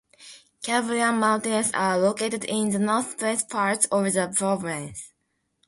Cantabrian Mountains are located in the northerns parts of the province.